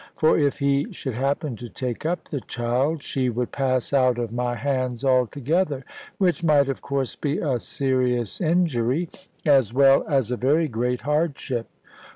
For if he should happen to take up the child, she would pass out of my hands altogether, which might of course be a serious injury, as well as a very great hardship.